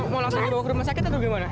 mau langsung bawa ke rumah sakit atau gimana